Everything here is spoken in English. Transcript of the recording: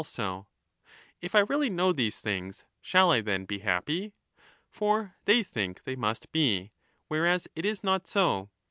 lo 1208' also, ' If I really know these things, shall I then be happy?' For they think they must be ; whereas it is not so.